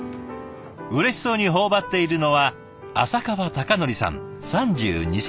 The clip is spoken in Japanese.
うれしそうに頬張っているのは浅川崇典さん３２歳。